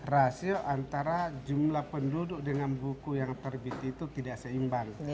rasio antara jumlah penduduk dengan buku yang terbit itu tidak seimbang